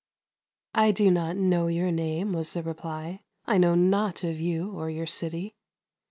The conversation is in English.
" I do not know your name," was the reply ;" I know naught of you or of your city."